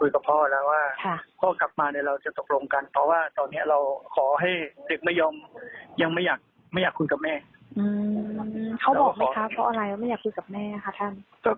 เขาบอกไหมคะเพราะอะไรเราไม่อยากคุยกับแม่ค่ะท่าน